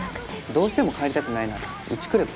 どうしても帰りたくないならうち来れば？